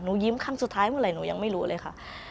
ยิ้มคำสุดท้ายเมื่อไหร่หนูยังไม่รู้เลยค่ะ